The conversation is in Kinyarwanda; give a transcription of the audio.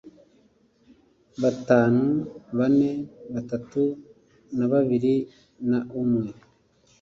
batanu, bane, batatu na babiri na umwe,